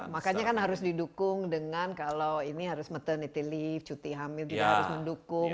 makanya kan harus didukung dengan kalau ini harus maternity leave cuti hamil juga harus mendukung